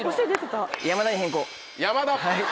山田！